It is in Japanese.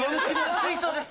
水槽です。